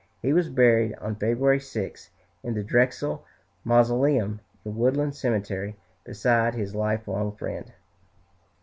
He was buried on February 6, in the Drexel Mausoleum in Woodland Cemetery beside his life long friend.